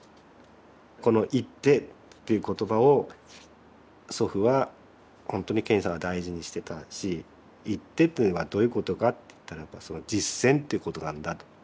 この「行ッテ」っていう言葉を祖父はほんとに賢治さんは大事にしてたし「行ッテ」っていうのはどういうことかって言ったらば実践っていうことなんだと。